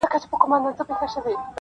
o زه چي وګرځمه ځان کي جهان وینم,